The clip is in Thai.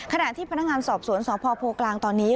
ขณะที่พนักงานสอบสวนสพโพกลางตอนนี้